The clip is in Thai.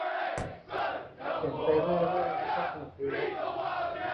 เขียนไปเรื่อยเรื่อยนี่ก็สนุกดีนะ